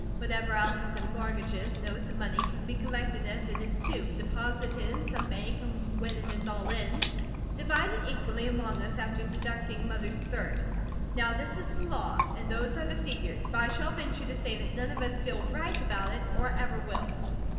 Whatever else is in mortgages, notes, and money can be collected as it is due, deposited in some bank, and when it is all in, divided equally among us, after deducting Mother's third. Now this is the law, and those are the figures, but I shall venture to say that none of us feel RIGHT about it, or ever will."